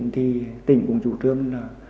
thì tỉnh cũng chủ trương